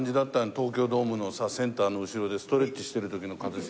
東京ドームのセンターの後ろでストレッチしてる時の一茂。